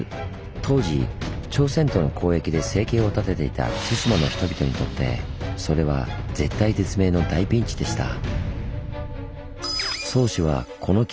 当時朝鮮との交易で生計を立てていた対馬の人々にとってそれは絶体絶命の大ピンチでした。